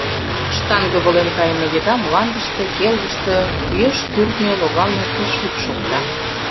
Штанге волен кайыме еда мландыште, келгыште, кӱэш кӱртньӧ логалме пич йӱк шокта.